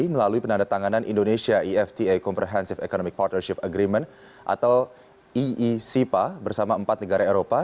melalui penandatanganan indonesia efta comprehensive economic partnership agreement atau iecpa bersama empat negara eropa